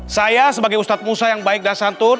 saya sebagai ustadz musa yang baik dan santun